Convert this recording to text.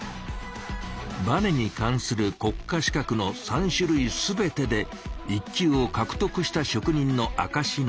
バネに関する国家資格の３種類全てで１級をかくとくした職人のあかしなんです。